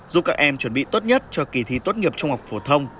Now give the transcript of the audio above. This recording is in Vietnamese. giúp các em chuẩn bị tốt nhất cho kỳ thi tốt nghiệp trung học phổ thông